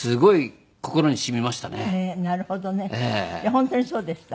本当にそうでした？